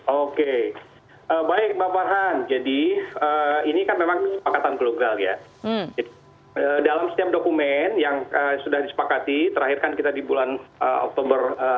oke baik pak farhan jadi ini kan memang kesepakatan global ya dalam setiap dokumen yang sudah disepakati terakhir kan kita di bulan oktober